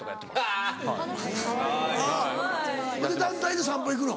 あぁ団体で散歩行くの？